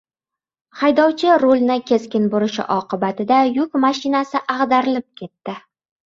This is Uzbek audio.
Haydovchi rulni keskin burishi oqibatida yuk mashinasi ag‘darilib ketdi